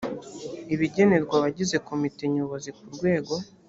ibigenerwa abagize komite nyobozi ku rwego